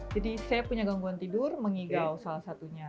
jadi saya punya gangguan tidur mengigau salah satunya